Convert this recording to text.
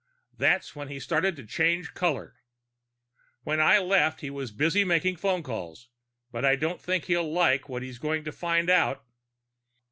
That's when he started to change colors. When I left he was busy making phone calls, but I don't think he'll like what he's going to find out."